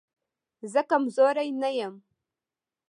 زه کمزوری نه يم